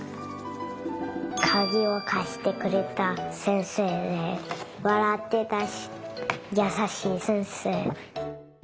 かぎをかしてくれた先生でわらってたしやさしい先生。